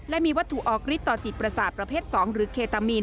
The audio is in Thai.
และมีวัตถุออกฤทธิต่อจิตประสาทประเภท๒หรือเคตามีน